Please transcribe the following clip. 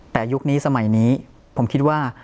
แต่ยุคนี้สมัยนี้ผมคิดว่า